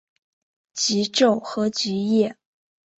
极昼和极夜。